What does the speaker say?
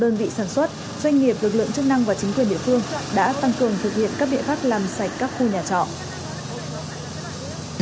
đã tăng cường thực hiện các địa pháp làm sạch các khu nhà trọ